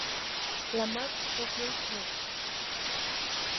La Mars Society, Inc.